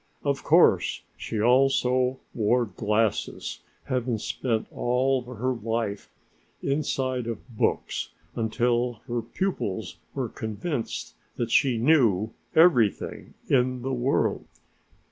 Of course she also wore glasses, having spent all her life inside of books until her pupils were convinced that she knew everything in the world.